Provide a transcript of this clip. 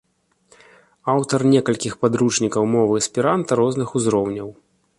Аўтар некалькіх падручнікаў мовы эсперанта розных узроўняў.